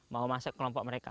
mau masuk kelompok mereka